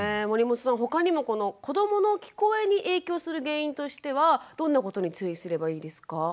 守本さん他にもこの子どもの聞こえに影響する原因としてはどんなことに注意すればいいですか？